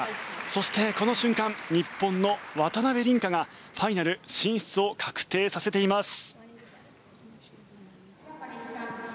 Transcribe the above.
そして、この瞬間日本の渡辺倫果がファイナル進出を確定させています。